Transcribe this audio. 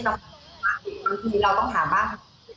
บางทีเราต้องถามว่า